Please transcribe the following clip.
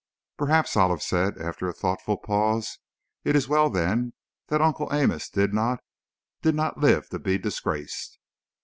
"Perhaps," Olive said, after a thoughtful pause, "it is as well, then, that Uncle Amos did not did not live to be disgraced."